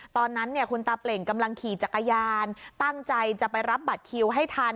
ตอนนั้นคุณตาเปล่งกำลังขี่จักรยานตั้งใจจะไปรับบัตรคิวให้ทัน